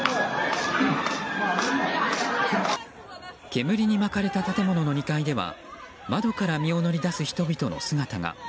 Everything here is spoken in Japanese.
煙に巻かれた建物の２階では窓から身を乗り出す人々の姿が。